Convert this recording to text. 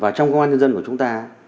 và trong công an nhân dân của chúng ta